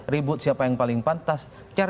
ribut siapa yang paling pantas cari yang paling penting